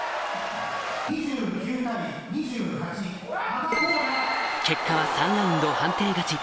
２９対２８・結果は３ラウンド判定勝ち